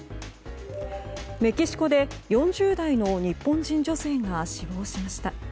メキシコで４０代の日本人女性が死亡しました。